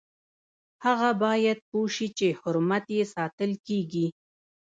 هغه باید پوه شي چې حرمت یې ساتل کیږي.